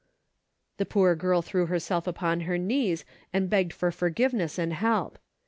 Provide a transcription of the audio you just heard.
The poor girl threw herself upon her knees and begged for forgiveness and help.